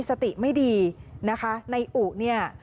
สติไม่ดีนะคะในอุเนี่ย